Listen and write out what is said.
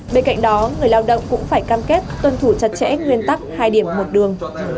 bên cạnh đó người lao động cũng phải cam kết tuân thủ chặt chẽ nguyên tắc hai điểm một đường